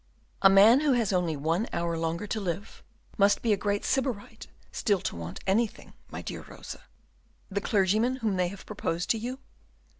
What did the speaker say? "A man who has only one hour longer to live must be a great Sybarite still to want anything, my dear Rosa." "The clergyman whom they have proposed to you?"